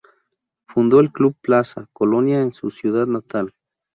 Fundó el club Plaza Colonia en su ciudad natal.